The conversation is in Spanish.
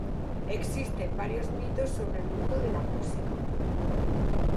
Existen varios mitos sobre el mundo de la música